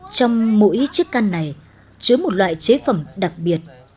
trong mỗi chiếc can này chứa một loại chế phẩm đặc biệt